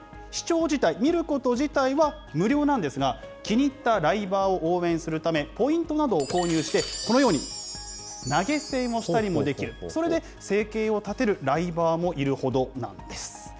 視聴自体、見ること自体は無料なんですが、気に入ったライバーを応援するため、ポイントなどを購入して、このように投げ銭をしたりもできる、それで生計を立てるライバーもいるほどなんです。